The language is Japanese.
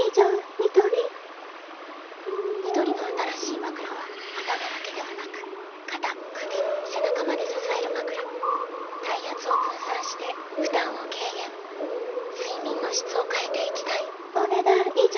ニトリニトリの新しいまくらは頭だけではなく肩・首・背中まで支えるまくら体圧を分散して負担を軽減睡眠の質を変えていきたいお、ねだん以上。